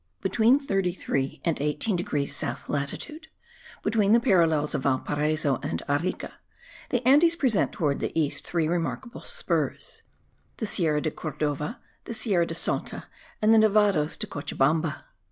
Between 33 and 18 degrees south latitude, between the parallels of Valparaiso and Arica, the Andes present towards the east three remarkable spurs, the Sierra de Cordova, the Sierra de Salta, and the Nevados de Cochabamba.